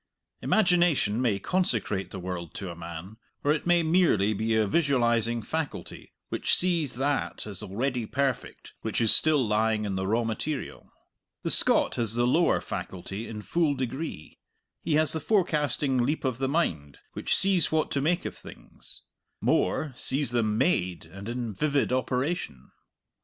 Imagination may consecrate the world to a man, or it may merely be a visualizing faculty which sees that as already perfect which is still lying in the raw material. The Scot has the lower faculty in full degree; he has the forecasting leap of the mind which sees what to make of things more, sees them made and in vivid operation.